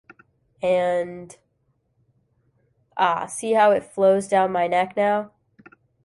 And — ah, see how it flows down my neck now!